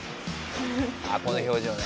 ああこの表情ね。